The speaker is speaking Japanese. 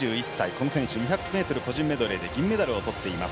この選手２００ｍ個人メドレーで銀メダルをとっています。